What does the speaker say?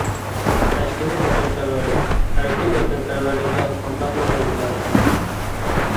تەشكىللىك ۋەتەنپەرۋەرلىك، ئەركىن ۋەتەنپەرۋەرلىككە قانداقمۇ تەڭ كېلەلىسۇن.